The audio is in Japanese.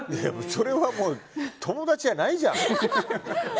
それはもう友達じゃないじゃん！